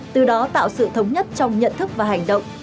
từ đó tạo sự thống nhất trong nhận thức và hành động